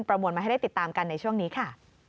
มวลมาให้ได้ติดตามกันในช่วงนี้ค่ะ